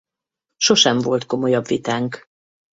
Sosem volt komolyabb vitánk.